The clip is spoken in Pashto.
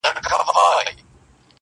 ستا له خیبر سره ټکراو ستا حماقت ګڼمه,